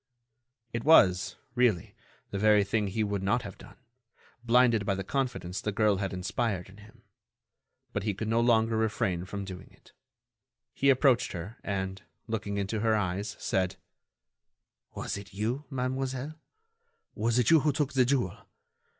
It was, really, the very thing he would not have done, blinded by the confidence the girl had inspired in him. But he could no longer refrain from doing it. He approached her and, looking into her eyes, said: "Was it you, mademoiselle? Was it you who took the jewel?